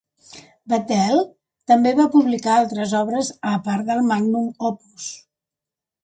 Vattel també va publicar altres obres a part del "magnum opus".